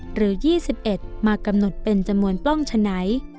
หรือ๒๑มากำหนดเป็นจำนวนปล้องฉะไหน